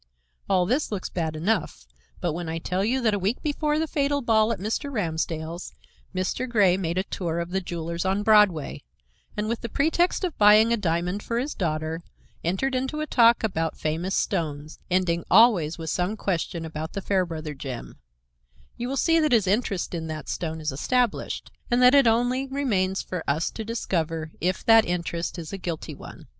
All this looks bad enough, but when I tell you that a week before the fatal ball at Mr. Ramsdell's, Mr. Grey made a tour of the jewelers on Broadway and, with the pretext of buying a diamond for his daughter, entered into a talk about famous stones, ending always with some question about the Fairbrother gem, you will see that his interest in that stone is established and that it only remains for us to discover if that interest is a guilty one.